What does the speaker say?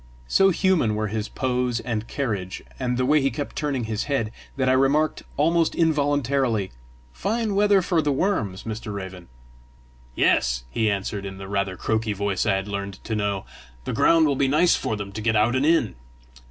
So human were his pose and carriage and the way he kept turning his head, that I remarked almost involuntarily, "Fine weather for the worms, Mr. Raven!" "Yes," he answered, in the rather croaky voice I had learned to know, "the ground will be nice for them to get out and in!